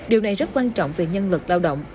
điều này rất quan trọng về nhân lực lao động